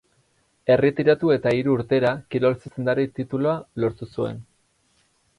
Erretiratu eta hiru urtera kirol zuzendari titulua lortu zuen.